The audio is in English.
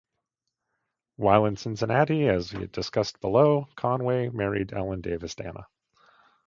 While in Cincinnati as discussed below, Conway married Ellen Davis Dana.